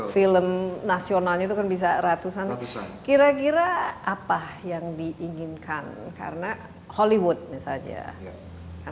film nasionalnya itu kan bisa ratusan kira kira apa yang diinginkan karena hollywood misalnya